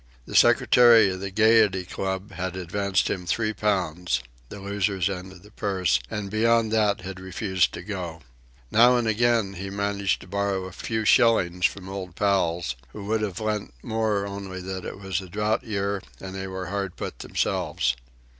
The secretary of the Gayety Club had advanced him three pounds the loser's end of the purse and beyond that had refused to go. Now and again he had managed to borrow a few shillings from old pals, who would have lent more only that it was a drought year and they were hard put themselves.